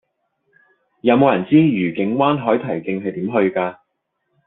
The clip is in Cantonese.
有無人知道愉景灣海堤徑係點去㗎